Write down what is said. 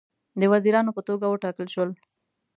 د وزیرانو په توګه وټاکل شول.